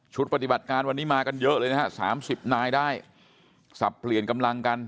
ปฏิบัติการวันนี้มากันเยอะเลยนะฮะสามสิบนายได้สับเปลี่ยนกำลังกัน